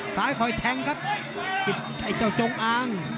ค่อยแทงครับไอ้เจ้าจงอาง